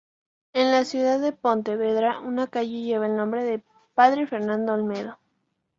En la ciudad de Pontevedra una calle lleva el nombre de "Padre Fernando Olmedo".